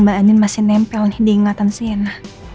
mbak anin masih nempel nih diingatan si yena